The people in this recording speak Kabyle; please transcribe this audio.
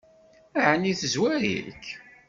Ɛni tezwar-ik?